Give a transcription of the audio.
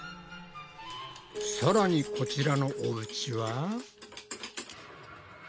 さらにこちらのおうちは。